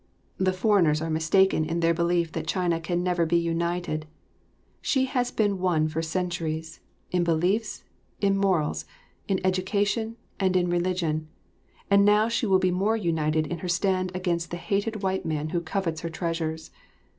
The foreigners are mistaken in their belief that China can never be united. She has been one for centuries, in beliefs, in morals, in education, and in religion, and now she will be more united in her stand against the hated white man who covets her treasures.